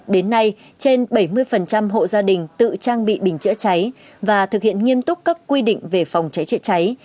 đến nay trên bảy mươi hộ gia đình tự trang bị bình chữa cháy và thực hiện nghiêm túc các quy định về phòng cháy chữa cháy